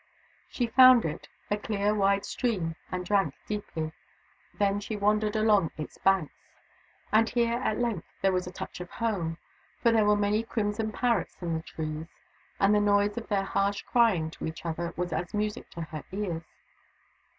She found it, a clear wide stream, and drank deeply : then she wandered along its banks. And here at length there was a touch of home, for there were many crimson parrots in the trees, and the noise of their harsh crying to each other was as music in her ears.